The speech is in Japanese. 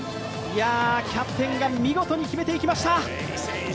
キャプテンが見事に決めていきました！